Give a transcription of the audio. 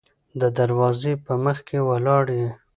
د دروازې په مخکې ولاړ يې.